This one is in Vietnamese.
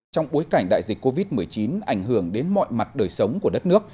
trong bối cảnh đại dịch covid một mươi chín ảnh hưởng đến mọi mặt đời sống của đất nước